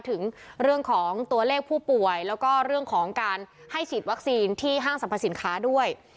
ถึงเรื่องของตัวเลขผู้ป่วยแล้วก็เรื่องของการให้ฉีดวัคซีนที่ห้างสรรพสินค้าด้วย